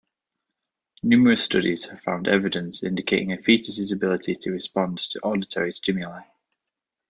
Numerous studies have found evidence indicating a fetus's ability to respond to auditory stimuli.